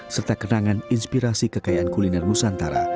serta kenangan inspirasi kekayaan kuliner nusantara